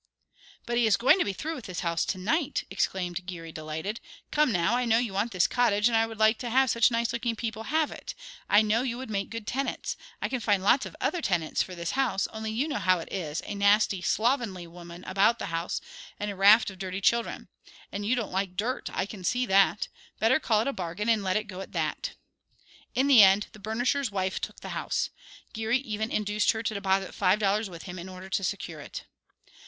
"But he is going to be through with this house to night," exclaimed Geary delighted. "Come now, I know you want this cottage and I would like to have such nice looking people have it. I know you would make good tenants. I can find lots of other tenants for this house, only you know how it is, a nasty, slovenly woman about the house and a raft of dirty children. And you don't like dirt, I can see that. Better call it a bargain, and let it go at that." In the end the burnisher's wife took the house. Geary even induced her to deposit five dollars with him in order to secure it.